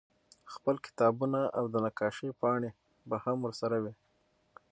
خپل کتابونه او د نقاشۍ پاڼې به هم ورسره وې